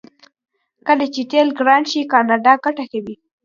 کله چې تیل ګران شي کاناډا ګټه کوي.